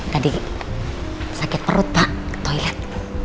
tadi sakit perut pak toilet